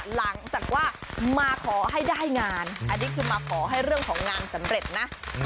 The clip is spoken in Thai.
หลังจากว่ามาขอให้ได้งานอันนี้คือมาขอให้เรื่องของงานสำเร็จนะ